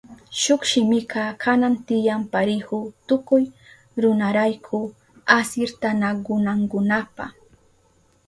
Shuk shimika kanan tiyan parihu tukuy runarayku asirtanakunankunapa.